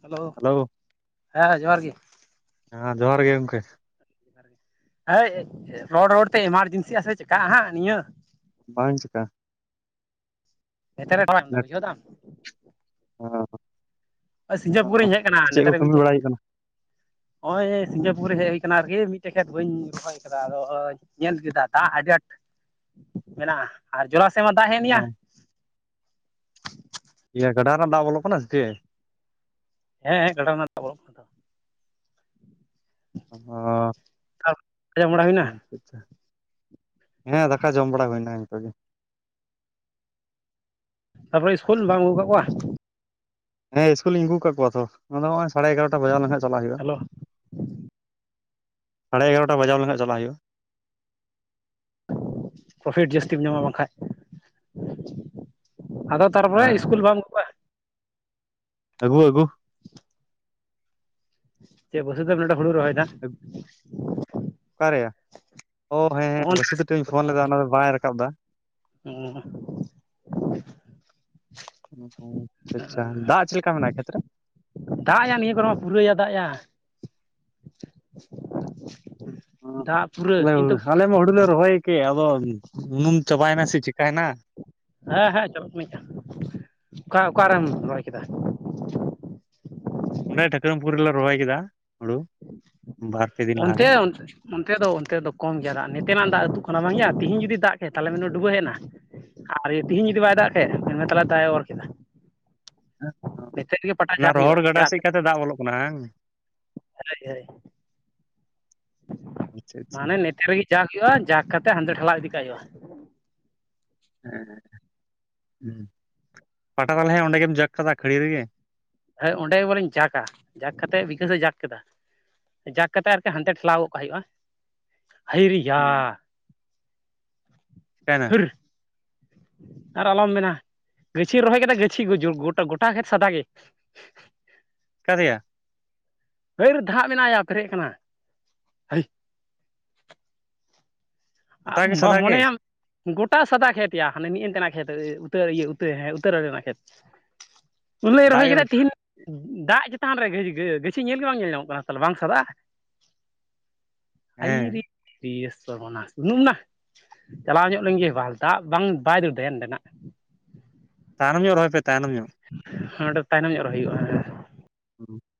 Hello ᱦᱮᱸ ᱡᱚᱦᱟᱨ ᱜᱮ ᱦᱮᱸ ᱡᱚᱦᱟᱨ ᱜᱮ ᱜᱚᱝᱠᱮ ᱦᱳᱭ ᱨᱚᱲ ᱨᱚᱲ ᱛᱮ ᱮᱢᱟᱨᱡᱮᱱᱥᱤ ᱟᱥᱮ ᱪᱮᱠᱟ ᱟᱦᱟᱸᱜ ᱱᱤᱭᱟᱹ ᱵᱟᱝ ᱪᱮᱠᱟ [unintelligible] ᱵᱩᱡᱷᱟᱹᱣᱫᱟᱢ ᱦᱮ ᱥᱤᱝᱜᱟᱯᱩᱨ ᱨᱤᱧ ᱦᱮᱡ ᱪᱮᱫ ᱠᱚ ᱠᱟᱹᱢᱤ ᱵᱟᱲᱟᱭ ᱦᱩᱭᱩᱜ ᱠᱟᱱᱟ ᱦᱚᱜᱼᱚᱭ ᱥᱤᱝᱜᱟᱯᱩᱨ ᱨᱮ ᱦᱮᱡ ᱦᱩᱭ ᱟᱠᱟᱱᱟ ᱟᱨᱠᱤ ᱢᱤᱫᱴᱮᱡ ᱠᱷᱮᱛ ᱵᱟᱹᱧ ᱨᱚᱦᱚᱭ ᱠᱟᱫᱟ ᱟᱫᱚ ᱧᱮᱞ ᱠᱮᱫᱟ ᱫᱟᱜ ᱟᱡᱟᱛ ᱢᱮᱱᱟᱜᱼᱟ ᱟᱨ ᱡᱚᱞᱟ ᱥᱮᱫ ᱢᱟ ᱫᱟᱜ ᱦᱮᱡ ᱮᱱᱭᱟ ᱠᱟᱱᱟ [unintelligible] ᱜᱟᱰᱟ ᱨᱮᱱᱟᱜ ᱫᱟᱜ ᱵᱚᱞᱚ ᱠᱟᱱᱟ ᱥᱮᱪᱮ ᱦᱮᱸᱦᱮᱸ ᱜᱟᱰᱟ ᱨᱮᱱᱟᱜ [unintelligible] ᱚ ᱛᱚ ᱟᱸᱡᱚᱢ ᱵᱟᱲᱟ ᱦᱩᱭᱱᱟ [unintelligible] ᱦᱮᱸ ᱫᱟᱠᱟ ᱡᱚᱢ ᱵᱟᱲᱟ ᱦᱩᱭᱱᱟ ᱱᱤᱛᱚᱜ ᱜᱮ᱾ ᱛᱟᱯᱚᱨᱮ ᱤᱥᱠᱩᱞ ᱵᱟᱝ ᱟᱹᱜᱩ ᱠᱟᱠᱚᱣᱟ ᱦᱮᱸ ᱤᱥᱠᱩᱞᱤᱧ ᱟᱹᱜᱩ ᱠᱟᱜ ᱠᱚᱣᱟ ᱛᱚ ᱟᱫᱚ ᱱᱚᱜᱼᱚᱭ ᱥᱟᱲᱮ ᱮᱜᱟᱨᱚᱴᱟ ᱵᱟᱡᱟᱣ ᱞᱮᱱ ᱠᱷᱟᱱ ᱪᱟᱞᱟᱜ ᱦᱩᱭᱩᱜᱼᱟ᱾ ᱦᱮᱞᱳ ᱥᱟᱲᱮ ᱮᱜᱟᱨᱚᱴᱟ ᱵᱟᱡᱟᱣ ᱞᱮᱱᱠᱷᱟᱱ ᱪᱟᱞᱟᱜ ᱦᱩᱭᱩᱜᱼᱟ᱾ ᱯᱨᱚᱯᱷᱤᱴ ᱡᱟᱹᱥᱛᱤᱢ ᱧᱟᱢᱟ ᱵᱟᱝᱠᱷᱟᱡ ᱟᱫᱚ ᱛᱟᱨᱯᱚᱨᱮ ᱦᱮᱸ ᱤᱥᱠᱩᱞ ᱵᱟᱢ ᱠᱚᱣᱟ ᱟᱹᱜᱩ ᱟᱹᱜᱩ ᱪᱮᱫ ᱯᱩᱤᱥᱟ ᱛᱮ [unintelligible] ᱦᱩᱲᱩ ᱨᱚᱦᱚᱭᱫᱟ ᱚᱠᱟᱨᱮᱭᱟ ᱚ ᱦᱮᱸ ᱦᱚᱸᱜᱼᱚ ᱦᱮᱸ ᱵᱚᱥᱩᱫ ᱱᱤᱛᱚᱜᱧ ᱯᱷᱳᱱ ᱞᱮᱫᱟ ᱚᱱᱟ ᱫᱚ ᱵᱟᱭ ᱨᱟᱠᱟᱵ ᱮᱫᱟ ᱦᱩᱸ ᱚ ᱟᱪᱪᱷᱟ ᱟᱪᱪᱷᱟ ᱫᱟᱜ ᱪᱮᱫ ᱞᱮᱠᱟ ᱢᱮᱱᱟᱜᱼᱟ ᱠᱷᱮᱛᱨᱮ᱾ ᱫᱟᱜᱭᱟ ᱱᱤᱭᱟᱹ ᱠᱚᱨᱮ ᱢᱟ ᱯᱩᱨᱟᱹᱭᱟ ᱫᱟᱜᱭᱟ᱾ [inaudible] ᱫᱟᱜ ᱯᱩᱨᱟᱹ ᱠᱤᱱᱛᱩ [unintelligible] ᱟᱞᱮ ᱢᱟ ᱦᱩᱲᱩᱞ ᱞᱮ ᱨᱚᱦᱚᱭ ᱠᱮ ᱟᱫᱚ ᱩᱱᱩᱢ ᱪᱟᱵᱟᱭᱮᱱᱟ ᱥᱮ ᱪᱤᱠᱟᱭᱮᱱᱟ ᱦᱮᱸ ᱦᱮᱸ ᱪᱟᱞᱟᱜᱠᱟᱱᱟᱧ ᱡᱟ ᱚᱠᱟ ᱚᱠᱟᱨᱮᱢ ᱨᱚᱦᱚᱭ ᱠᱮᱫᱟ᱾ ᱚᱸᱰᱮ ᱴᱷᱟᱹᱠᱨᱟᱢᱯᱩᱨ ᱨᱮᱞᱮ ᱨᱚᱦᱚᱭ ᱠᱮᱫᱟ ᱦᱩᱲᱩ ᱵᱟᱨ ᱯᱮ ᱫᱤᱱ ᱞᱟᱦᱟᱨᱮ ᱚᱱᱛᱮ ᱚᱱᱛᱮ ᱫᱚ ᱚᱱᱛᱮ ᱫᱚ ᱠᱚᱢ ᱜᱮᱭᱟ ᱫᱟᱜ ᱱᱮᱛᱮᱱᱟᱜ ᱫᱟᱜ ᱟᱹᱛᱩ ᱠᱟᱱᱟ ᱵᱟᱝ ᱜᱮᱭᱟ ᱛᱤᱦᱤᱧ ᱡᱩᱫᱤ ᱫᱟᱜ ᱠᱮ ᱛᱟᱦᱮᱱᱟᱹ ᱰᱩᱵᱟᱹ ᱦᱮᱡᱱᱟ᱾ ᱟᱨ ᱛᱮᱦᱤᱧ ᱡᱩᱫᱤ ᱵᱟᱭ ᱫᱟᱜ ᱠᱮᱫ ᱢᱮᱱ ᱢᱮ ᱛᱟᱦᱚᱞᱮ ᱫᱟᱜ ᱮ ᱚᱨ ᱠᱮᱫᱟ ᱱᱤᱛ ᱨᱮᱜᱮ ᱯᱟᱴᱟ ᱡᱟ ᱚᱱᱟ ᱦᱩᱭᱩᱜᱼᱟ ᱨᱚᱦᱚᱲ ᱜᱟᱰᱟ ᱡᱟ ᱥᱮᱫ ᱠᱟᱛᱮ ᱫᱟᱜ ᱵᱚᱞᱚᱜ ᱠᱟᱱᱟ ᱦᱟᱸ ᱦᱳᱭ ᱦᱳᱭ ᱟᱪᱪᱷᱟ ᱟᱪᱪᱷᱟ ᱢᱟᱱᱮ ᱱᱮᱛᱟᱨ ᱨᱮᱜᱮ ᱡᱟᱠ ᱦᱩᱭᱩᱜᱼᱟ ᱡᱟᱠ ᱠᱟᱛᱮ ᱦᱟᱱᱛᱮ ᱴᱷᱮᱞᱟᱣ ᱤᱫᱤ ᱠᱟᱜ ᱦᱩᱭᱩᱜᱼᱟ᱾ ᱦᱮᱸ ᱦᱩᱸ ᱯᱟᱴᱟ ᱛᱟᱞᱮ ᱦᱮ ᱚᱸᱰᱮ ᱜᱮᱢ ᱡᱟᱠ ᱠᱟᱫᱟ ᱠᱷᱟᱹᱲᱤ ᱨᱮᱜᱮ ᱦᱮᱸ ᱚᱸᱰᱮ ᱜᱮ ᱵᱚᱞᱮᱧ ᱡᱟᱠ ᱟ ᱡᱟᱠ ᱠᱟᱛᱮᱮᱫ ᱵᱤᱠᱟᱹᱥᱮ ᱡᱟᱠ ᱠᱮᱫᱟ᱾ ᱡᱟᱠ ᱠᱟᱛᱮᱫ ᱟᱨᱠᱤ ᱦᱟᱱᱛᱮ ᱴᱷᱮᱞᱟᱣ ᱜᱚᱫ ᱠᱟᱜ ᱦᱩᱭᱩᱜᱼᱟ ᱦᱟᱭᱨᱤᱭᱟ᱾ ᱦᱮᱸ ᱠᱟᱭᱱᱟ ᱟᱨ ᱟᱞᱚᱢ ᱢᱮᱱᱟ ᱜᱟᱹᱪᱷᱤ ᱨᱚᱦᱚᱭ ᱠᱮᱫᱟ ᱜᱟᱹᱪᱷᱤ ᱜᱩᱡᱩᱜ ᱜᱚᱴᱟ ᱜᱚᱴᱟ ᱠᱷᱮᱛ ᱥᱟᱫᱟ ᱜᱮ ᱠᱟᱨᱮᱭᱟ ᱦᱟᱨ ᱫᱷᱟᱟᱜ ᱢᱮᱱᱟᱭᱟ ᱯᱮᱨᱮᱡ ᱠᱟᱱᱟ ᱜᱚᱴᱟ ᱟᱢ ᱜᱮ ᱥᱟᱫᱟ ᱵᱟᱢ ᱜᱮ ᱢᱚᱱᱮᱭᱟᱢ ᱜᱚᱴᱟ ᱥᱟᱫᱟ ᱠᱷᱮᱛ ᱭᱟ ᱦᱟᱱᱮ ᱢᱤᱫ ᱮᱱ ᱛᱮᱱᱟᱜ ᱠᱷᱮᱛ ᱩᱛᱟᱹᱭ ᱤᱭᱟᱹᱟᱹᱨ ᱦᱮ ᱩᱛᱟᱹᱨ ᱨᱮᱱᱟᱜ ᱠᱷᱮᱛ [inaudible] ᱩᱱᱤᱞᱟᱹᱜ ᱨᱚᱦᱚᱭ ᱜᱮ ᱠᱮᱫᱟ ᱛᱤᱦᱮᱧ ᱫᱟᱜ ᱪᱮᱛᱟᱱ ᱨᱮ ᱜᱟᱹ ᱜᱟᱹᱪᱷᱤ ᱧᱮᱞ ᱜᱮ ᱵᱟᱝ ᱧᱮᱞ ᱧᱟᱢᱚᱜ ᱠᱟᱱᱟ ᱛᱟᱦᱚᱞᱮ ᱵᱟᱝ ᱥᱟᱫᱟᱜᱼᱟ᱾ [inaudible] ᱦᱮᱸ [unintelligible] ᱱᱟ ᱪᱟᱞᱟᱣ ᱧᱚᱜ ᱞᱮᱱ ᱜᱮ ᱵᱟᱞᱛᱟ ᱵᱟᱝ ᱵᱟᱭ ᱫᱟᱹᱲ ᱫᱟᱭᱟ ᱱᱚᱸᱰᱮᱱᱟᱜ ᱛᱟᱭᱱᱚᱢ ᱧᱚᱜ ᱨᱚᱦᱚᱭ ᱯᱮ ᱛᱟᱭᱱᱚᱢ ᱧᱚᱜ ᱚᱸᱰᱮ ᱛᱟᱭᱱᱚᱢ ᱧᱚᱜ ᱨᱮ ᱦᱩᱭᱩᱜᱼᱟ ᱦᱮᱸ [inaudible]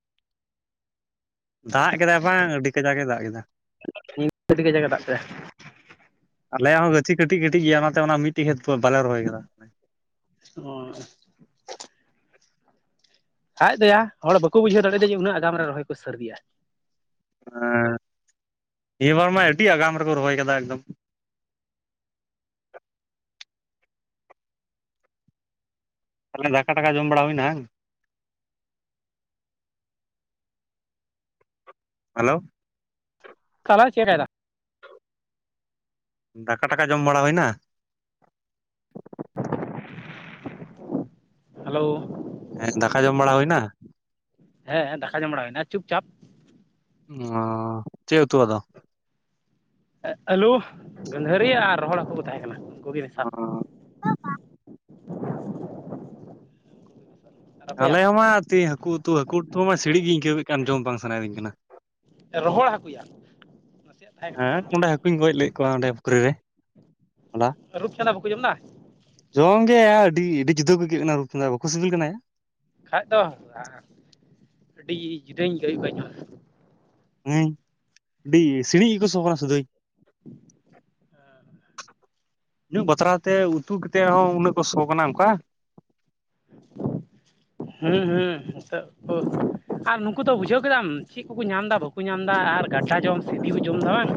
ᱫᱟᱜ ᱠᱮᱫᱟᱭ ᱵᱟᱝ ᱟᱹᱰᱤ ᱠᱟᱡᱟᱠ ᱮ ᱫᱟᱜ ᱠᱮᱫᱟ [unintelligible] ᱟᱹᱰᱤ ᱠᱟᱡᱟᱠᱮ ᱫᱟᱜ ᱠᱮᱫᱟ ᱟᱞᱮᱭᱟᱜ ᱦᱚᱸ ᱜᱟᱪᱷᱤ ᱠᱟᱹᱴᱤᱡ ᱠᱟᱹᱴᱤᱡ ᱜᱮᱭᱟ ᱚᱱᱟᱛᱮ ᱚᱱᱟ ᱢᱤᱫᱴᱮᱱ ᱠᱷᱮᱛ ᱵᱟᱞᱮ ᱨᱚᱦᱚᱭ ᱠᱟᱫᱟ [inaudible] ᱟᱡ ᱫᱚᱭᱟ ᱦᱚᱲ ᱵᱟᱠᱚ ᱵᱩᱡᱷᱟᱹᱣ ᱫᱟᱲᱮᱭᱟᱫᱟ ᱡᱮ ᱩᱱᱟᱹᱜ ᱟᱜᱟᱢ ᱨᱮ ᱨᱚᱦᱚᱭ ᱠᱚ ᱥᱟᱹᱨᱫᱤᱭᱟ ᱦᱮᱸ ᱱᱤᱭᱟᱹ ᱵᱟᱨ ᱢᱟ ᱟᱹᱰᱤ ᱟᱜᱟᱢ ᱨᱮᱠᱚ ᱨᱚᱦᱚᱭ ᱠᱟᱫᱟ ᱮᱠᱫᱚᱢ [unintelligible] ᱫᱟᱠᱟ ᱴᱟᱠᱟ ᱡᱚᱢ ᱵᱟᱲᱟ ᱦᱩᱭᱱᱟ ᱵᱟᱝ ᱦᱮᱞᱳ [inaudible] ᱫᱟᱠᱟ ᱴᱟᱠᱟ ᱡᱚᱢ ᱵᱟᱲᱟ ᱦᱩᱭᱱᱟ ᱦᱮᱞᱳ ᱦᱮᱸ ᱫᱟᱠᱟ ᱡᱚᱢ ᱵᱟᱲᱟ ᱦᱳᱭᱱᱟ ᱦᱮᱸ ᱫᱟᱠᱟ ᱡᱚᱢ ᱵᱟᱲᱟ ᱦᱩᱭᱮᱱᱟ ᱪᱩᱯ ᱪᱟᱯ ᱚᱻ ᱪᱮᱜ ᱩᱛᱩ ᱟᱫᱚ ᱟᱼᱟᱹᱞᱩ ᱜᱟᱹᱫᱷᱟᱹᱨᱤ ᱟᱨ ᱨᱚᱦᱚᱲ ᱦᱟᱹᱠᱩ ᱠᱚ ᱛᱟᱦᱮᱸ ᱠᱟᱱᱟ ᱩᱱᱠᱩ ᱜᱮ ᱢᱮᱥᱟ ᱚ ᱟᱨ ᱟᱯᱮᱭᱟᱜ ᱟᱞᱮ ᱦᱚᱸᱢᱟ ᱛᱤᱦᱤᱱ ᱦᱟᱹᱠᱩ ᱩᱛᱩ ᱦᱟᱹᱠᱩ ᱩᱛᱩ ᱢᱟ ᱥᱤᱲᱤᱡ ᱜᱤ ᱟᱹᱭᱠᱟᱹᱣ ᱠᱮᱫ ᱠᱟᱱ ᱡᱚᱢ ᱵᱟᱝ ᱥᱟᱱᱟᱭᱮᱫᱤᱧ ᱠᱟᱱᱟ ᱨᱚᱦᱚᱲ ᱦᱟᱹᱠᱩᱭᱟ ᱱᱟᱥᱮᱭᱟᱜ ᱛᱟᱦᱮᱸ ᱠᱟᱱᱟ ᱠᱚ ᱦᱮᱸ ᱚᱸᱰᱮ ᱦᱟᱹᱠᱩᱧ ᱜᱚᱡ ᱞᱮᱜ ᱠᱚᱣᱟ ᱚᱸᱰᱮ ᱯᱩᱠᱷᱨᱤ ᱨᱮ ᱦᱚᱞᱟ ᱨᱩᱯ ᱪᱟᱸᱫᱟ ᱵᱟᱠᱚ ᱡᱚᱢ ᱫᱟ ᱡᱚᱢ ᱜᱮ ᱟᱹᱰᱤ ᱟᱹᱰᱤ ᱡᱩᱫᱟᱹ ᱟᱹᱭᱠᱟᱹᱜ ᱠᱟᱱᱟ ᱨᱩᱯ ᱪᱟᱸᱫᱟ ᱵᱟᱠᱚ ᱥᱤᱵᱤᱞ ᱠᱟᱱᱟᱭᱟ ᱠᱷᱟᱡ ᱫᱚ ᱟᱹᱰᱤ ᱡᱩᱫᱟᱹᱧ ᱟᱭᱠᱟᱹᱣ ᱠᱚᱣᱟ ᱤᱧ ᱦᱚᱸ ᱦᱮᱸ ᱟᱹᱰᱤ ᱥᱤᱲᱤᱡ ᱜᱮᱠᱚ ᱥᱚ ᱠᱟᱱᱟ ᱥᱩᱫᱟᱹᱭ ᱧᱩ ᱵᱟᱛᱨᱟᱣ ᱛᱮ ᱩᱛᱩ ᱠᱟᱛᱮᱜ ᱦᱚᱸ ᱩᱱᱟᱹᱜ ᱠᱚ ᱥᱚ ᱠᱟᱱᱟ ᱚᱱᱠᱟ [inaudible] ᱦᱩᱸ ᱦᱩᱸ ᱦᱤᱛᱚᱜ ᱦᱳ ᱟᱨ ᱱᱩᱠᱩ ᱫᱚ ᱵᱩᱡᱷᱟᱹᱣ ᱠᱮᱫᱟᱢ ᱪᱮᱜ ᱠᱚᱠᱚ ᱧᱟᱢ ᱫᱟ ᱵᱟᱠᱚ ᱧᱟᱢ ᱫᱟ ᱟᱨ ᱜᱷᱟᱴᱟ ᱡᱚᱢ [unintelligible] ᱠᱚ ᱡᱚᱢ ᱮᱫᱟ ᱵᱟᱝ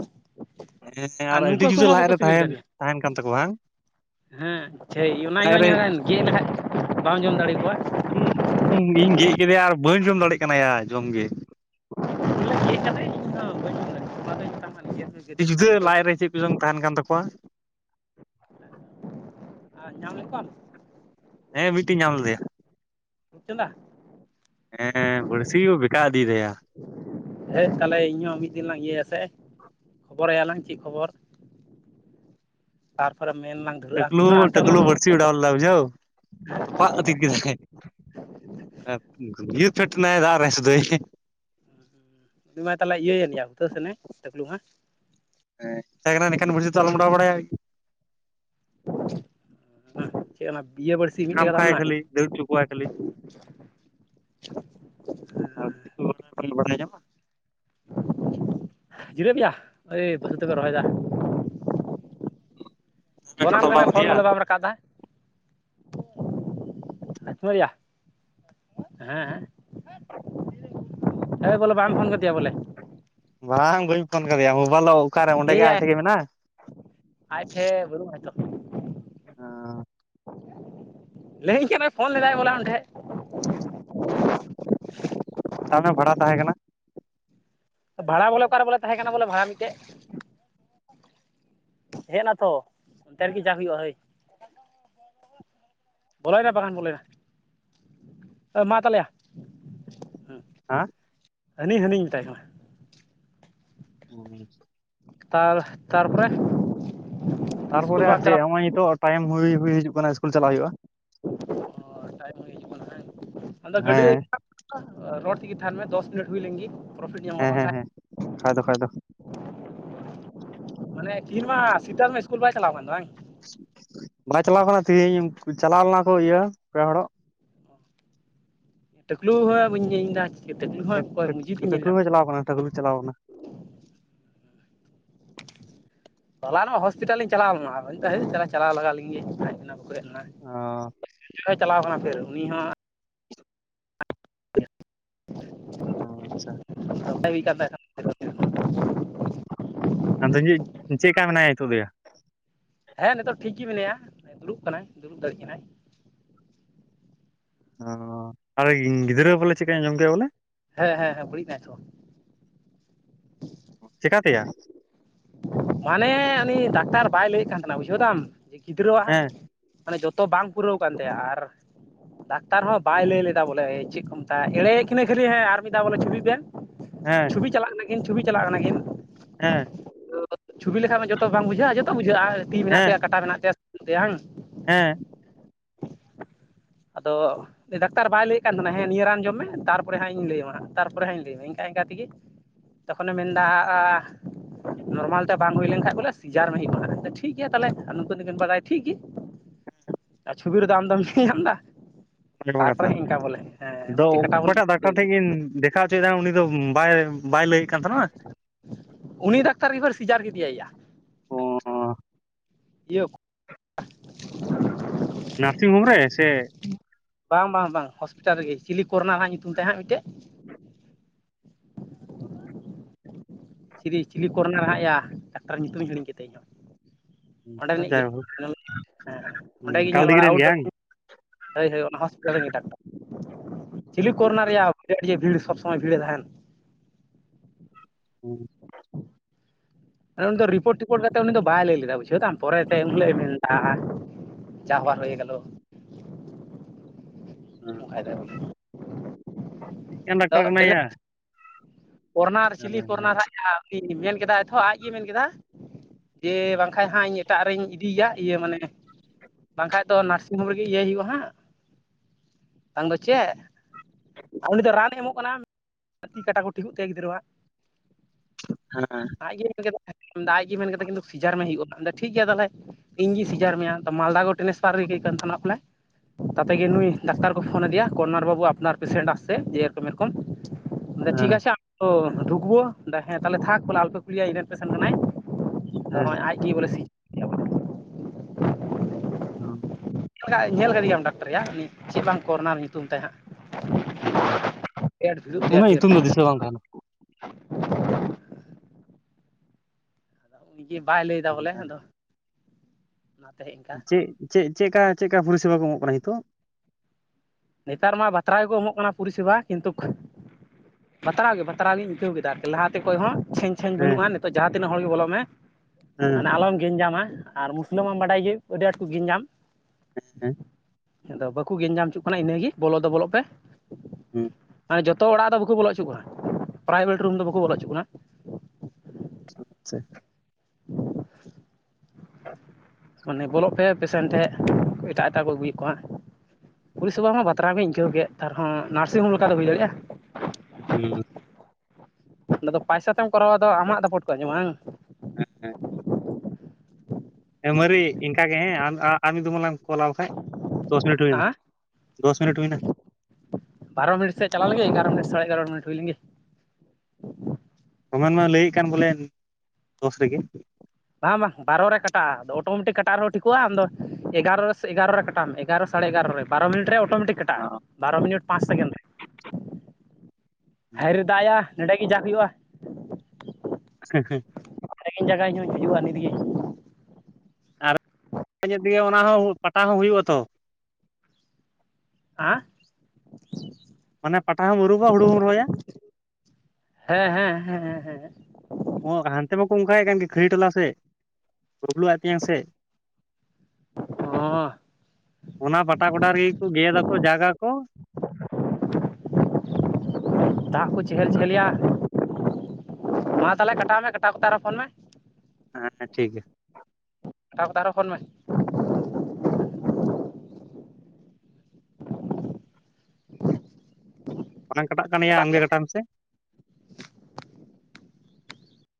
ᱦᱮᱸ ᱟᱨ ᱟᱹᱰᱤ ᱱᱩᱠᱩ ᱦᱟᱹᱠᱩ ᱡᱩᱫᱟᱹ ᱢᱟ ᱞᱟᱡ ᱨᱮ ᱵᱟᱠᱚ ᱥᱤᱵᱤᱞ ᱛᱟᱦᱮᱱ ᱠᱟᱱᱟ ᱛᱟᱦᱮᱱ ᱠᱟᱱ ᱛᱟᱠᱚᱣᱟ ᱵᱟᱝ ᱦᱮᱸ [unintelligible] ᱞᱟᱡ ᱨᱮ ᱜᱮ ᱞᱮᱠᱷᱟᱡ ᱵᱟᱢ ᱡᱚᱢ ᱫᱟᱲᱮᱭᱟ ᱠᱚᱣᱟ [unintelligible] ᱤᱧ ᱜᱮᱜ ᱠᱮᱫᱮᱭᱟ ᱟᱨ ᱵᱟᱹᱧ ᱡᱚᱢ ᱫᱟᱲᱮᱜ ᱠᱟᱱᱟᱭᱟ ᱡᱚᱢ ᱜᱮ [unintelligible] ᱜᱮᱜ ᱠᱟᱛᱮ ᱤᱧ ᱦᱚ ᱵᱟᱹᱧ [unintelligible] ᱡᱩᱫᱟᱹ ᱡᱚᱢ ᱞᱟᱡ ᱨᱮ ᱪᱮᱜ ᱠᱚᱪᱚᱝ ᱛᱟᱦᱮᱱ ᱠᱟᱱ ᱛᱟᱠᱚᱣᱟ ᱟ ᱧᱟᱢ ᱞᱮ ᱠᱚᱣᱟᱢ ᱦᱮᱸ ᱢᱤᱜᱴᱮᱡ ᱧᱟᱢ ᱞᱮᱫᱮᱭᱟ ᱪᱚᱸᱫᱟ ᱦᱮᱸ ᱵᱟᱲᱥᱤ ᱦᱚ ᱵᱮᱠᱟᱣ ᱤᱫᱤ ᱫᱟᱭᱟ ᱦᱮᱸ ᱛᱟᱦᱚᱞᱮ ᱤᱧᱦᱚᱸ ᱢᱤᱫ ᱫᱤᱱ ᱞᱟᱝ ᱤᱭᱟᱹᱭᱟ ᱥᱮ ᱠᱷᱚᱵᱚᱨ ᱟᱭᱟ ᱞᱟᱝ ᱪᱮᱜ ᱠᱷᱚᱵᱚᱨ ᱛᱟᱨᱯᱚᱨᱮ ᱢᱮᱱ ᱞᱟᱝ ᱫᱷᱩᱨᱟᱹᱜᱼᱟ ᱢᱤᱫ ᱴᱟᱠᱞᱩ ᱦᱚᱲ ᱦᱟᱱᱛᱮ ᱴᱟᱠᱞᱩ ᱨᱮᱞᱟᱝ ᱵᱟᱲᱥᱤ ᱳᱰᱟᱣ ᱞᱮᱫᱟᱭ ᱵᱩᱡᱷᱟᱣ ᱛᱚᱯᱟᱜ ᱤᱫᱤ ᱠᱮᱫᱟᱭ ᱦᱮ ᱜᱤᱛ ᱯᱷᱮᱵ ᱱᱟᱭᱫᱟ ᱨᱮ ᱥᱩᱫᱷᱟᱣ ᱢᱟ ᱛᱟᱦᱞᱮ ᱤᱭᱟᱹᱭᱮᱱᱭᱟ ᱦᱩᱴᱟᱹᱥᱮᱱᱮ ᱴᱟᱠᱞᱩ ᱢᱟ ᱦᱮᱸ ᱢᱮᱛᱟᱭ ᱠᱟᱱᱟ ᱱᱮᱝᱠᱷᱟᱱ ᱵᱟᱹᱲᱥᱤ ᱫᱚ ᱟᱞᱚᱢ ᱳᱰᱟᱣ ᱵᱟᱲᱟᱭᱟ [inaudible] ᱵᱟᱹᱲᱥᱤ ᱢᱤᱫ ᱠᱷᱟᱢ ᱴᱟᱠᱟ ᱫᱟᱢ ᱠᱷᱟᱭ ᱨᱮᱱᱟᱜ ᱠᱷᱟᱹᱞᱤ ᱫᱟᱹᱲ ᱦᱚᱪᱚ ᱠᱚᱣᱟᱭ ᱠᱷᱟᱹᱞᱤ [unintelligible] ᱵᱟᱲᱟᱭ ᱧᱟᱢᱟ ᱡᱤᱨᱟᱹᱜ ᱢᱮᱭᱟ ᱦᱳᱭ ᱵᱟᱥᱩ ᱛᱟᱠᱚ ᱨᱚᱦᱚᱭ ᱫᱟ ᱯᱷᱳᱱᱟᱢ ᱴᱳᱴᱳ ᱠᱟᱱᱟ ᱵᱟᱢ ᱯᱷᱳᱱ ᱤᱫᱤᱭᱟ ᱵᱚᱞᱮ ᱵᱟᱢ ᱨᱟᱠᱟᱵ ᱮᱫᱟ ᱦᱟᱯᱚᱭ ᱭᱟ ᱦᱮᱸ ᱦᱮᱸ [inaudible] ᱦᱮᱭ ᱵᱚᱞᱮ ᱵᱟᱢ ᱯᱷᱳᱱ ᱠᱚᱫᱤᱭᱟ ᱵᱚᱞᱮ ᱵᱟᱝ ᱵᱟᱹᱧ ᱯᱷᱳᱱ ᱠᱟᱫᱮᱭᱟ ᱢᱳᱵᱟᱭᱤᱞ ᱫᱚ ᱚᱟᱠ ᱨᱮ ᱚᱸᱰᱮ ᱮᱭ ᱜᱮ ᱟᱡ ᱴᱷᱮᱜ ᱜᱮ ᱢᱮᱱᱟᱜᱼᱟ ᱟᱡ ᱴᱮ ᱵᱟᱱᱩᱜ ᱟ ᱱᱤᱛᱚ ᱦᱮ ᱞᱟᱹᱭᱧ ᱠᱟᱱᱟᱭ ᱯᱷᱳᱱ ᱞᱮᱫᱟᱭ ᱵᱚᱞᱮ ᱟᱢ ᱴᱷᱮᱱ [inaudible] ᱵᱷᱟᱲᱟ ᱛᱟᱦᱮᱸᱠᱟᱱᱟ ᱵᱷᱟᱲᱟ ᱵᱚᱞᱮ ᱚᱠᱟ ᱨᱮ ᱵᱚᱞᱮ ᱛᱟᱦᱮᱸ ᱠᱟᱱᱟ ᱵᱚᱞᱮ ᱵᱷᱟᱲᱟ ᱢᱤᱫᱴᱮᱱ ᱦᱮᱡ ᱮᱱᱟᱛᱚ ᱚᱱᱛᱮ ᱨᱮᱜᱮ ᱪᱟᱥ ᱦᱩᱭᱩᱜᱼᱟ ᱦᱳᱭ ᱵᱚᱞᱚᱭᱱᱟ ᱵᱟᱠᱷᱟᱱ ᱵᱚᱞᱮ ᱢᱟ ᱛᱟᱦᱚᱞᱮ ᱭᱟ [inaudible] ᱦᱮᱸ ᱦᱟᱹᱱᱤ ᱦᱟᱹᱱᱤᱧ ᱢᱮᱛᱟᱭ ᱠᱟᱱᱟ ᱦᱩᱸ [unintelligible] ᱟᱨ ᱛᱟᱨᱯᱚᱨᱮ ᱤᱥᱠᱩᱞ ᱛᱟᱨᱯᱚᱨᱮ ᱵᱟᱢ ᱟᱨ ᱪᱮᱫ ᱪᱟᱞᱟᱣ ᱦᱚᱸᱚᱭ ᱱᱤᱛᱚᱜ ᱴᱟᱤᱢ ᱦᱩᱭ ᱦᱩᱭ ᱦᱤᱡᱩᱜ ᱠᱟᱱᱟ ᱤᱥᱠᱩᱞ ᱪᱟᱞᱟᱜ ᱦᱩᱭᱩᱼᱟ ᱚ ᱴᱟᱤᱢ ᱦᱳᱭ ᱦᱤᱡᱩᱜ ᱠᱟᱱᱟ ᱦᱟᱝ ᱟᱫᱚ ᱜᱰᱰᱤᱨᱮ ᱦᱮᱸ ᱨᱚᱲ ᱛᱮᱜᱮ ᱛᱟᱦᱮᱱ ᱢᱮ ᱫᱚᱥ ᱢᱤᱱᱤᱴ ᱦᱩᱭ ᱞᱮᱱᱜᱮ ᱯᱨᱚᱯᱷᱤᱴ ᱧᱟᱢᱚᱜᱼᱟ ᱦᱮᱸ ᱦᱮᱸ ᱦᱮᱸ ᱠᱷᱟᱡ ᱫᱚ ᱠᱷᱟᱡ ᱫᱚ ᱵᱟᱝᱠᱷᱟᱱ [unintelligible] ᱤᱥᱠᱩᱞ ᱵᱟᱭ ᱪᱟᱞᱟᱣ ᱠᱟᱱ ᱫᱚ ᱵᱟᱝ ᱵᱟᱭ ᱪᱟᱞᱟᱣ ᱠᱟᱱᱟ ᱛᱮᱦᱤᱧ ᱪᱟᱞᱟᱣ ᱞᱮᱱᱟ ᱠᱚ ᱤᱭᱟᱹ ᱯᱮ ᱦᱚᱲᱚᱜ ᱛᱟᱹᱠᱞᱩ ᱦᱚᱸᱭ ᱵᱟᱹᱧ ᱴᱟᱹᱠᱞᱩ [unintelligible] ᱪᱟᱞᱟᱣ ᱠᱟᱱᱟᱭ ᱴᱟᱹᱠᱞᱩ ᱪᱟᱞᱟᱣ ᱠᱟᱱᱟ ᱦᱚᱞᱟᱱᱚᱜ ᱦᱚᱸᱥᱯᱤᱟᱞᱤᱧ ᱪᱟᱞᱟᱣᱱᱟ ᱛᱮᱦᱮᱧ ᱪᱟᱞᱟᱣ ᱞᱮᱜᱟ ᱞᱮᱢᱜᱮ ᱚ [unintelligible] [unintelligible] ᱪᱟᱞᱟᱣ ᱠᱟᱱᱟ ᱯᱷᱤᱨ ᱩᱱᱤ ᱦᱚᱸ [unintelligible] ᱚᱸ ᱟᱪᱪᱷᱟ [unintelligible] ᱟᱫᱚ ᱱᱤᱜ ᱪᱮᱜᱠᱟ ᱢᱮᱱᱟᱭᱟ ᱱᱤᱛᱜ ᱫᱚᱭᱟ ᱦᱮᱸ ᱱᱤᱛᱚᱜ ᱴᱷᱤᱠ ᱜᱮ ᱢᱤᱱᱟᱭᱟ ᱫᱩᱲᱩᱜ ᱠᱟᱱᱟᱭ ᱫᱩᱲᱩᱵ ᱫᱟᱲᱮᱭᱜ ᱠᱟᱱᱟᱭ ᱚᱻ ᱟᱨ ᱜᱤᱫᱽᱨᱟᱹ ᱵᱚᱞᱮ ᱪᱮᱜᱠᱟᱧ ᱟᱸᱡᱚᱢ ᱠᱮᱜᱼᱟ ᱵᱚᱞᱮ ᱦᱮᱸ ᱦᱮᱸ ᱦᱮᱸ [unintelligible] ᱪᱮᱠᱟ ᱛᱮᱭᱟ ᱢᱟᱱᱮ ᱩᱱᱤ ᱰᱟᱠᱛᱟᱨ ᱵᱟᱭ ᱞᱟᱹᱭᱮᱜ ᱠᱟᱱ ᱛᱟᱦᱮᱸᱱᱟᱜ ᱵᱩᱡᱷᱟᱹᱣ ᱫᱟᱢ ᱡᱮ ᱜᱤᱫᱽᱨᱟᱹᱣᱟᱜ ᱦᱮᱸ ᱢᱟᱱᱮ ᱡᱚᱛᱚ ᱵᱟᱝ ᱯᱩᱨᱟᱹᱣ ᱠᱟᱱ ᱛᱟᱭᱟ ᱟᱨ ᱰᱟᱠᱛᱟᱨ ᱦᱚᱸ ᱵᱟᱭ ᱞᱟᱹᱭ ᱞᱮᱫᱟ ᱵᱚᱞᱮ ᱪᱮᱜ ᱠᱚ ᱢᱮᱛᱼᱟ ᱮᱲᱮᱭ ᱠᱤᱱᱟ ᱠᱷᱟᱹᱞᱤ ᱦᱮᱸ ᱟᱨ ᱢᱤᱫ ᱫᱷᱟᱣ ᱵᱚᱞᱮ ᱪᱷᱩᱤᱜ ᱵᱮᱱ ᱦᱮᱸ ᱪᱷᱚᱵᱤ ᱪᱟᱞᱟᱜ ᱠᱟᱱᱟ ᱠᱤᱱ ᱪᱷᱩᱵᱤ ᱪᱟᱞᱟᱜ ᱠᱟᱱᱟ ᱠᱤᱱ ᱦᱮᱸ ᱪᱷᱩᱵᱤ ᱞᱮᱠᱷᱟᱜ ᱢᱟ ᱡᱚᱛᱚ ᱵᱟᱝ ᱵᱩᱡᱷᱟᱹᱜᱼᱟ ᱡᱚᱛᱚ ᱵᱩᱡᱷᱟᱹᱜᱼᱟ ᱛᱤ ᱢᱮᱱᱟᱜ ᱦᱮᱸ ᱛᱟᱭᱟ ᱠᱟᱴᱟ ᱢᱮᱱᱟᱜ ᱛᱟᱭᱟ [unintelligible] ᱦᱮᱸ ᱟᱫᱚ ᱰᱟᱠᱛᱟᱨ ᱵᱟᱭ ᱞᱟᱹᱭᱮᱜ ᱠᱟᱱ ᱛᱟᱦᱮᱸᱱᱟ ᱦᱮᱸ ᱱᱤᱭᱟᱹ ᱨᱟᱱ ᱡᱚᱢ ᱢᱮ ᱛᱟᱨᱯᱚᱨᱮ ᱦᱟᱸᱜ ᱤᱧ ᱞᱟᱹᱭᱟᱢᱟ ᱦᱟᱸᱜ ᱛᱟᱨᱯᱚᱨᱮ ᱦᱟᱸᱜ ᱤᱧ ᱞᱟᱹᱭᱟᱢᱟ ᱤᱝᱠᱟ ᱤᱝᱠᱟ ᱛᱮᱜᱮ ᱛᱚᱠᱷᱚᱱᱮ ᱢᱮᱱᱫᱟ ᱱᱚᱨᱢᱟᱞ ᱛᱮ ᱵᱟᱝ ᱦᱩᱭ ᱞᱮᱝᱠᱷᱟᱡ ᱠᱚ ᱞᱟᱹᱭᱟ ᱥᱤᱡᱟᱨ ᱮᱢ ᱦᱩᱭᱩᱜᱼᱟ ᱦᱟᱸᱜ ᱴᱷᱤᱠ ᱜᱮᱭᱟ ᱛᱟᱞᱦᱮ ᱱᱩᱝᱠᱤᱱ ᱱᱚᱠᱤᱱ ᱵᱟᱲᱟᱭᱟ ᱴᱷᱤᱠ ᱜᱮ [unintelligible] ᱟᱨ ᱪᱷᱩᱵᱤ ᱨᱮᱫᱚ ᱟᱢ ᱫᱚᱢ ᱧᱮᱧᱟᱢᱫᱟ ᱚᱝᱠᱟ ᱠᱟᱛᱷᱟ ᱦᱮᱸ ᱟᱫᱚ ᱢᱤᱫᱴᱮᱡ ᱠᱟᱴᱟ ᱵᱚᱞᱮ ᱚᱠᱟᱴᱟᱜ ᱰᱟᱠᱛᱟᱨ ᱴᱷᱮᱜ ᱠᱤᱧ ᱫᱮᱠ ᱠᱟᱣ ᱚᱪᱚᱭᱮᱫᱟ ᱩᱱᱤ ᱫᱚᱢ ᱵᱟᱭ ᱵᱟᱭ ᱞᱟᱹᱭᱮᱜ ᱠᱟᱱ ᱛᱟᱦᱮᱸᱜᱱᱟ ᱩᱱᱤ ᱰᱟᱠᱛᱟᱨ ᱤᱵᱟᱨ ᱥᱤᱡᱟᱨ ᱠᱮᱫᱮᱟᱭᱟᱭ ᱭᱟ ᱚᱻ ᱤᱭᱟᱹᱜ ᱱᱟᱨᱥᱤᱝ ᱦᱳᱢ ᱨᱮ ᱥᱮ ᱵᱟᱝ ᱵᱟᱝ ᱵᱟᱝ ᱦᱚᱥᱯᱤᱴᱟᱞ ᱨᱮᱜᱮ ᱪᱤᱞᱤ ᱠᱳᱨᱱᱟ ᱦᱟᱸᱜ ᱧᱩᱛᱩᱢ ᱛᱟᱭ ᱦᱟᱸᱜ ᱢᱤᱴᱮᱜ ᱪᱤᱞᱤ ᱪᱤᱞᱤ ᱠᱚᱨᱮᱱᱟᱨ ᱦᱟᱸᱜ ᱭᱟ ᱰᱟᱠᱛᱟᱨ ᱧᱩᱛᱩᱢᱤᱧ ᱦᱤᱲᱤᱧ ᱠᱮᱫ ᱛᱟᱭᱟ ᱤᱧᱦᱚᱸ ᱡᱟᱭ ᱦᱳᱠ ᱚᱸᱰᱮ ᱜᱮ ᱧᱮᱞ ᱵᱟᱲᱟ ᱟᱣᱩᱴᱰᱳᱨ [unintelligible] ᱦᱳᱭ ᱦᱳᱭ ᱚᱱᱟ ᱦᱚᱸᱥᱯᱤᱴᱟᱞ ᱨᱮᱱᱜᱮ ᱰᱟᱠᱴᱟᱛ ᱪᱤᱞᱤ ᱠᱚᱨᱱᱟᱨ ᱭᱟ [unintelligible] ᱟᱹᱰᱤ ᱵᱷᱤᱲ ᱥᱚᱵᱽ ᱥᱚᱢᱚᱭ ᱵᱷᱤᱲᱮ ᱛᱟᱦᱮᱸᱱ ᱦᱩᱸ ᱟᱫᱚ ᱩᱱᱤ ᱫᱚ ᱨᱤᱯᱳᱨᱴ ᱴᱤᱯᱳᱴ ᱠᱟᱛᱮᱜ ᱩᱱᱤ ᱫᱚ ᱵᱟᱭ ᱞᱟᱹᱭ ᱞᱮᱫᱟ ᱵᱩᱡᱷᱟᱹᱣ ᱫᱟᱢ ᱯᱚᱨᱮᱛᱮ ᱩᱱᱦᱤᱞᱳᱜ ᱢᱮᱱᱫᱟ ᱡᱟ ᱦᱟᱣᱟᱨ ᱦᱳᱭᱮ ᱜᱮᱞᱳ [inaudible] ᱚᱝᱠᱟᱭ ᱫᱟᱭ ᱵᱚᱞᱮ ᱪᱮᱜ ᱠᱟᱱ ᱟᱫᱚ ᱰᱟᱠᱛᱟᱨ ᱠᱟᱱᱟᱭ ᱛᱮᱱᱮ ᱭᱟ ᱠᱚᱨᱱᱟᱨ ᱪᱤᱞᱤ ᱠᱚᱨᱱᱟᱨ ᱦᱟᱸᱜ ᱭᱟ ᱩᱱᱤ ᱢᱮᱱ ᱠᱮᱫᱟ ᱛᱷᱚ ᱟᱡᱜᱮ ᱢᱮᱱ ᱠᱮᱫᱟ ᱡᱮ ᱵᱟᱝᱠᱷᱟᱡ ᱦᱟᱸᱜ ᱤᱧ ᱮᱴᱟᱜ ᱨᱤᱧ ᱤᱫᱤᱭ ᱭᱟ ᱤᱭᱟᱹ ᱢᱟᱱᱮ ᱵᱟᱝᱠᱷᱟᱡ ᱫᱚ ᱱᱟᱨᱥᱤᱝ ᱦᱳᱢ ᱨᱮᱜᱮ ᱤᱭᱟᱹᱭ ᱦᱩᱭᱩᱜᱼᱟ ᱦᱟᱸᱜ ᱵᱟᱝ ᱫᱚ ᱪᱮᱫ ᱩᱱᱤ ᱫᱚ ᱨᱟᱱᱮ ᱮᱢᱚᱜ ᱠᱟᱱᱟ ᱛᱤ ᱠᱟᱴᱟ ᱠᱚ ᱴᱷᱤᱠᱚᱜ ᱛᱟᱭᱟ ᱜᱤᱫᱽᱨᱟᱹᱣᱟᱜ ᱦᱮᱸ ᱟᱡ ᱜᱮ ᱢᱮᱱ [unintelligible] ᱠᱮᱫᱟ ᱠᱤᱱᱛᱩ ᱥᱤᱡᱟᱨ ᱢᱮ ᱦᱩᱭᱩᱜᱼᱟ ᱦᱟᱸᱜ ᱴᱷᱤᱠ ᱜᱮᱭᱟ ᱛᱟᱞᱦᱮ ᱤᱧᱜᱤ ᱥᱤᱡᱟᱨ ᱢᱮᱭᱟ ᱛᱚ ᱢᱟᱞᱫᱟ ᱠᱚ ᱴᱮᱱᱤᱥᱯᱟᱨ ᱨᱮᱜᱮ ᱠᱟᱱ ᱛᱟᱦᱮᱱᱟ ᱵᱚᱞᱮ ᱛᱟᱛᱮ ᱜᱮ ᱱᱩᱭ ᱰᱟᱠᱛᱟᱨ ᱠᱚ ᱯᱷᱳᱱ ᱟᱫᱮᱭᱟ ᱠᱚᱨᱱᱟᱨ ᱵᱟᱹᱵᱩ ᱟᱯᱱᱟᱨ ᱯᱮᱥᱮᱱᱴ ᱟᱥᱪᱷᱮ ᱡᱮ ᱮᱨᱚᱠᱚᱢ ᱮᱨᱚᱠᱚᱢ ᱴᱷᱤᱠ ᱟᱪᱷᱮ [unintelligible] ᱴᱷᱩᱠᱵᱚ ᱦᱮᱸ ᱛᱟᱦᱚᱞᱮ ᱛᱷᱟᱠ ᱛᱟᱦᱚᱞᱮ ᱟᱞᱚᱯᱮ ᱠᱩᱞᱤᱭᱟ ᱤᱧ ᱨᱮᱱ ᱯᱮᱥᱮᱱ ᱠᱟᱱᱟᱭ ᱛᱚ ᱱᱚᱜᱼᱚᱭ ᱟᱡ ᱜᱮ ᱵᱚᱞᱮ ᱥᱤᱡ [inaudible] ᱦᱩᱸ ᱪᱮᱫ ᱞᱮᱠᱟ ᱧᱮᱞ ᱠᱟᱜ ᱧᱮᱞ ᱠᱟᱫᱮᱭᱟᱢ ᱰᱟᱠᱛᱟᱨ ᱟᱜ ᱩᱱᱤ ᱪᱮᱫ ᱵᱟᱝ ᱠᱚᱨᱱᱟᱨ ᱧᱩᱛᱩᱢ ᱛᱟᱭ ᱦᱟᱸᱜ ᱩᱱᱟᱹᱜ [unintelligible] [unintelligible] ᱛᱟᱦᱮᱱᱟ [inaudible] ᱫᱤᱭᱮ ᱵᱟᱭ ᱞᱟᱹᱭᱫᱟ ᱵᱚᱞᱮ ᱟᱫᱚ ᱚᱱᱟᱛᱮ ᱦᱮᱡ ᱤᱱᱠᱟ ᱪᱮᱫ ᱪᱮᱫ ᱪᱮᱫᱠᱟ ᱪᱮᱫᱠᱟ ᱯᱚᱨᱤᱥᱮᱵᱟ ᱠᱚ ᱮᱢᱚᱜ ᱠᱟᱱᱟ ᱱᱤᱛᱚᱜ ᱱᱮᱛᱟᱨ ᱢᱟ ᱵᱟᱛᱨᱟ ᱜᱮᱠᱚ ᱮᱢᱚᱜ ᱠᱟᱱᱟ ᱯᱚᱨᱤᱥᱮᱵᱟ ᱠᱤᱱᱛᱩ ᱵᱟᱛᱨᱟᱣ ᱜᱮ ᱵᱟᱛᱨᱟᱣ ᱜᱤᱧ ᱟᱹᱭᱠᱟᱹᱣ ᱠᱮᱫᱟ ᱟᱨᱠᱤ ᱞᱟᱦᱟᱛᱮ ᱠᱷᱚᱡ ᱦᱚᱸ [unintelligible] [inaudible] ᱦᱮᱸ ᱵᱟᱹᱱᱩᱜᱼᱟ ᱱᱤᱛᱚᱜ ᱡᱟᱦᱟᱸ ᱛᱤᱱᱟᱹᱜ ᱦᱚᱲᱜᱮ ᱵᱚᱞᱚᱜ ᱢᱮ ᱦᱮᱸ ᱢᱟᱱᱮ ᱟᱞᱚᱢ ᱜᱮᱧᱡᱟᱢᱟ ᱟᱨ ᱢᱩ ᱚᱱᱮ ᱢᱟᱢ ᱵᱟᱰᱟᱭ ᱜᱮ ᱟᱹᱰᱤ ᱟᱸᱴ ᱠᱚ ᱜᱮᱧᱡᱟᱢ ᱦᱮᱸ [unintelligible] ᱟᱫᱚ ᱵᱟᱠᱚ ᱜᱮᱧᱡᱟᱢ ᱪᱚᱜ ᱠᱟᱱᱟ ᱤᱱᱟᱹᱜᱮ ᱵᱚᱞᱚ ᱫᱚ ᱵᱚᱞᱚᱜ ᱯᱮ ᱦᱩᱸ ᱢᱟᱱᱮ ᱡᱚᱛᱚ ᱚᱲᱟᱜ ᱫᱚ ᱵᱟᱠᱚ ᱵᱚᱞᱚ ᱚᱪᱚᱣᱟᱜ ᱠᱟᱱᱟ ᱯᱨᱟᱭᱵᱷᱮᱴ ᱨᱩᱢ ᱫᱚ ᱵᱟᱠᱚ ᱵᱚᱞᱚ ᱚᱪᱚᱣᱟᱜ ᱠᱟᱱᱟ [inaudible] [inaudible] ᱢᱟᱱᱮ ᱵᱚᱞᱚᱜ ᱯᱮ ᱯᱮᱥᱮᱱ ᱴᱷᱮᱡ ᱮᱴᱟᱜ ᱮᱴᱟᱜ ᱠᱚ ᱟᱹᱜᱩᱭᱮᱫ ᱠᱚᱣᱟ ᱯᱚᱨᱤᱥᱮᱵᱟ ᱢᱟ ᱵᱟᱛᱨᱟᱣ ᱜᱤᱧ ᱟᱹᱭᱠᱟᱹᱣ ᱠᱮᱫ ᱟᱨ ᱦᱚᱸ ᱱᱟᱨᱥᱤᱝ ᱦᱳᱢ ᱞᱮᱠᱟ ᱫᱚ ᱦᱩᱭ ᱫᱟᱲᱮᱭᱟᱜᱼᱟ ᱦᱩᱸ ᱚᱰᱮ ᱫᱚ ᱯᱚᱭᱥᱟ ᱛᱮᱢ ᱠᱚᱨᱟᱣᱟ ᱫᱚ ᱟᱢᱟᱜ ᱫᱟᱯᱚᱴ ᱠᱚ ᱟᱡᱚᱢᱟ ᱵᱟᱝ ᱦᱮᱸ ᱦᱮᱸ ᱢᱟᱹᱨᱤ ᱤᱱᱠᱟ ᱜᱮ ᱦᱮᱸ ᱟᱨ ᱢᱤᱫ ᱫᱚᱢᱞᱟᱝ ᱠᱚᱞᱼᱟ ᱠᱷᱟᱡ ᱫᱚᱥ ᱢᱤᱱᱤᱴ ᱦᱩᱭ ᱮᱱᱟ ᱦᱮᱸ ᱫᱚᱥ ᱢᱤᱱᱤᱴ ᱦᱩᱭᱱᱟ ᱵᱟᱨᱚ ᱢᱤᱱᱤᱴ ᱥᱮᱫ ᱪᱟᱞᱟᱣ ᱞᱮᱱ ᱜᱮ ᱮᱜᱟᱨᱚ ᱢᱤᱴᱤᱴ ᱥᱟᱲᱮ ᱮᱜᱟᱨᱚ ᱢᱤᱱᱤᱴ ᱦᱩᱭ ᱞᱮᱜᱮ ᱨᱚᱢᱮᱱ ᱢᱟ ᱞᱟᱹᱭ ᱮᱫ ᱠᱟᱱ ᱵᱚᱞᱮ ᱫᱚᱥ ᱨᱮᱜᱮ ᱵᱟᱝ ᱵᱟᱝ ᱵᱟᱨᱚ ᱨᱮ ᱠᱟᱴᱟᱜᱼᱟ ᱟᱫᱚ ᱚᱴᱳᱢᱮᱴᱤᱠ ᱠᱟᱴᱟᱜ ᱨᱮᱦᱚᱸ ᱴᱷᱤᱠᱚᱜᱼᱟ ᱟᱢᱫᱚ ᱮᱜᱟᱨᱚ ᱨᱮ ᱥᱮ ᱮᱜᱟᱨᱚ ᱨᱮ ᱠᱟᱴᱟᱣ ᱢᱮ ᱮᱜᱟᱨᱚ ᱥᱟᱲᱮ ᱮᱜᱟᱨᱚ ᱨᱮ ᱵᱟᱨ ᱢᱤᱱᱤᱴ ᱨᱮ ᱚᱴᱳᱢᱮᱴᱤᱠ ᱠᱟᱴᱟᱜᱼᱟ᱾ ᱵᱟᱨᱚ ᱢᱤᱱᱤᱴ ᱯᱟᱸᱪ ᱥᱮᱠᱮᱱᱰ ᱨᱮ, ᱦᱟᱭ ᱨᱮ ᱫᱟᱜᱼᱭᱟ ᱱᱚᱰᱮ ᱜᱮ ᱡᱟ ᱦᱩᱭᱩᱜᱼᱟ᱾ ᱦᱮᱸ ᱦᱮᱸ [inaudible] ᱨᱮᱸᱜᱤᱧ ᱡᱟᱭᱜᱟ ᱤᱧ ᱦᱚᱧ ᱦᱤᱡᱩᱜᱼᱟ ᱱᱤᱛ ᱜᱤ᱾ [unintelligible] ᱛᱮᱜᱮ ᱚᱱᱟ ᱦᱚᱸ ᱯᱟᱴᱟ ᱦᱚᱸ ᱦᱩᱭᱩᱜ ᱟᱛᱚ᱾ ᱦᱟᱸ ᱢᱟᱱᱮ ᱯᱟᱴᱟ ᱦᱚᱢ ᱟᱹᱨᱩᱵᱟ ᱦᱩᱲᱩ ᱦᱚᱢ ᱨᱚᱦᱚᱭᱟ᱾ ᱦᱮᱸ ᱦᱮᱸ ᱦᱮᱸ ᱦᱮᱸ ᱦᱮᱸ ᱮᱸ ᱚ ᱦᱟᱱᱛᱮ ᱢᱟᱠᱚ ᱚᱱᱠᱟᱭᱮᱫ ᱠᱟᱱ ᱜᱮ ᱠᱷᱟᱹᱨᱟᱹ ᱴᱚᱞᱟ ᱥᱮᱫ ᱵᱟᱹᱵᱽᱞᱩ ᱟᱡ ᱛᱮᱭᱟᱝ ᱥᱮᱫ ᱚᱸ ᱚᱱᱟ ᱯᱟᱴᱟ ᱜᱚᱰᱟ ᱨᱮᱜᱮ ᱠᱚ ᱜᱮᱫ ᱟᱠᱚ ᱡᱟᱜ ᱟᱠᱚ᱾ ᱫᱟᱜ ᱠᱚ ᱪᱮᱦᱮᱞ ᱪᱮᱦᱮᱞ ᱭᱟ, ᱢᱟ ᱛᱟᱦᱚᱞᱮ ᱠᱟᱴᱟᱣ ᱢᱮ ᱠᱟᱴᱟᱣ ᱠᱟᱛᱮ ᱟᱨᱦᱚᱸ ᱯᱷᱳᱱ ᱢᱮ᱾ ᱦᱮᱸ ᱴᱷᱤᱠ ᱜᱮᱭᱟ᱾ ᱠᱟᱴᱟᱣ ᱠᱟᱛᱮ ᱟᱨᱦᱚᱸ ᱯᱷᱳᱱ ᱢᱮ᱾ ᱵᱟᱟᱝ ᱠᱟᱴᱟᱜ ᱠᱟᱱᱭᱟ ᱟᱢᱜᱮ ᱠᱟᱴᱟᱣ ᱢᱮᱥᱮ᱾